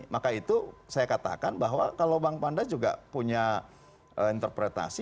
maka itu saya katakan bahwa kalau bang panda juga punya interpretasi